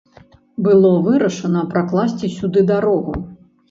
Было вырашана пракласці сюды дарогу.